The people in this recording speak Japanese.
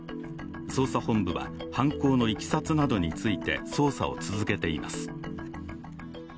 捜査本部は犯行のいきさつなどについて捜査を続けています。